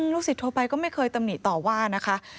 ศิษย์โทรไปก็ไม่เคยตำหนิต่อว่านะคะ